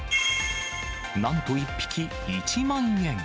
なんと１匹１万円。